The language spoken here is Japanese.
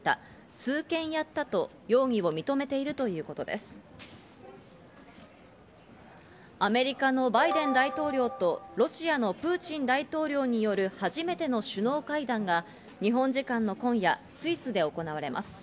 数件やったと容疑を認めていアメリカのバイデン大統領とロシアのプーチン大統領による初めての首脳会談が日本時間の今夜、スイスで行われます。